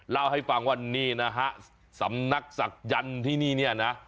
เล่าให้ฟังว่านี่นะฮะสำนักศักยันต์ที่นี่เนี่ยนะ